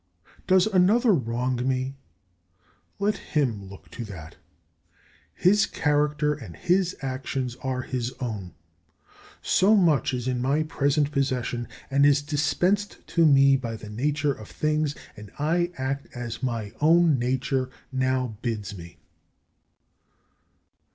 25. Does another wrong me? Let him look to that. His character and his actions are his own. So much is in my present possession as is dispensed to me by the nature of things, and I act as my own nature now bids me.